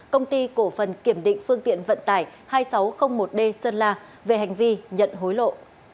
công ty cổ phần kiểm định phương tiện vận tải hai nghìn sáu trăm linh một d sơn la về hành vi nhận hối lộ